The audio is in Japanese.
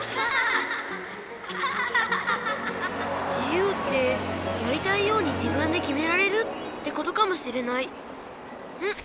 自由ってやりたいように自分できめられるってことかもしれないんっ。